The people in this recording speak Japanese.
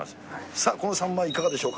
さあ、このサンマいかがでしょう